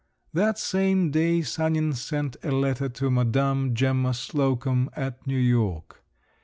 That same day Sanin sent a letter to Madame Gemma Slocum, at New York.